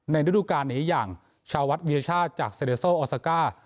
ในธุรการในอย่างชาวัฒน์เวียร์ชาจากเซเดซโซอร์จิถิ์ก้า